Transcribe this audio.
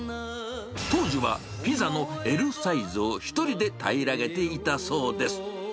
当時はピザのＬサイズを１人で平らげていたそうです。